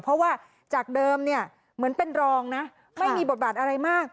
เพราะว่าจากเดิมเนี่ยเหมือนเป็นรองนะไม่มีบทบาทอะไรมาก